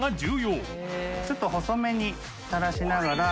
ちょっと細めに垂らしながら┘